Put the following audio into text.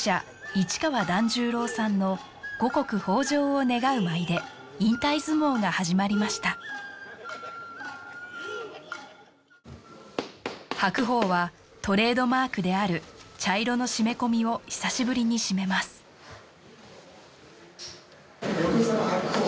市川團十郎さんの五穀豊穣を願う舞で引退相撲が始まりました白鵬はトレードマークである茶色の締込を久しぶりに締めます横綱・白鵬